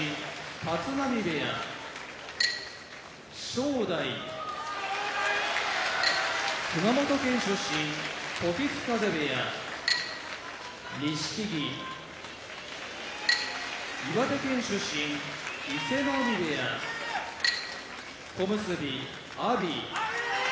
立浪部屋正代熊本県出身時津風部屋錦木岩手県出身伊勢ノ海部屋小結・阿炎